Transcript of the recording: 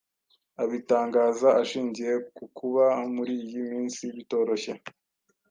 abitangaza ashingiye ku kuba muri iyi minsi bitoroshye